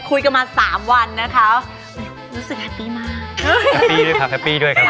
คุยกันมาสามวันนะคะรู้สึกแฮปปี้มากแฮปปี้ด้วยครับแฮปปี้ด้วยครับ